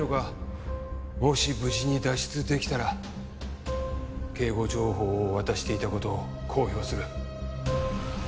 もし無事に脱出できたら警護情報を渡していた事を公表する。